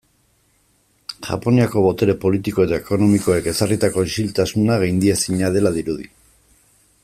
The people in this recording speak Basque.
Japoniako botere politiko eta ekonomikoek ezarritako isiltasuna gaindiezina dela dirudi.